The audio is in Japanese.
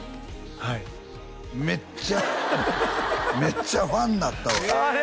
はいめっちゃめっちゃファンになったわええ